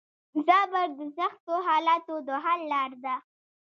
صبر د سختو حالاتو د حل لار ده.